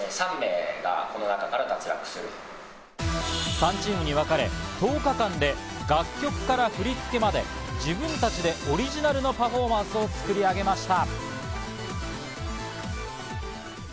３チームにわかれ、１０日間で楽曲から振り付けまで自分たちでオリジナルなパフォーマンスを作り上げました。